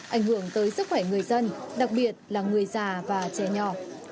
ảnh hưởng tới sức khỏe người dân đặc biệt là người già và trẻ nhỏ